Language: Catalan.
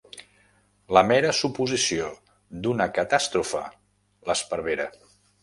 La mera suposició d'una catàstrofe l'esparvera.